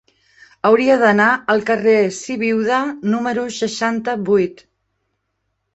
Hauria d'anar al carrer de Sibiuda número seixanta-vuit.